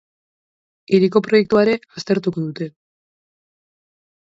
Hiriko proiektua ere aztertuko dute.